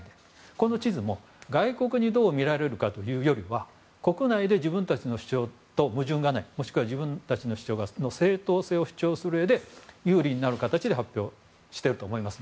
この地図も、外国にどう見られるかというよりは国内で自分たちの主張と矛盾がないかもしくは自分たちの主張の正当性を主張するうえで有利になる形で発表していると思います。